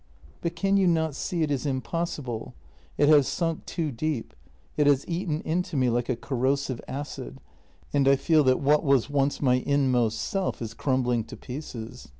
" But can you not see it is impossible? It has sunk too deep; it has eaten into me like a corrosive acid, and I feel that what was once my inmost self is crumbling to pieces.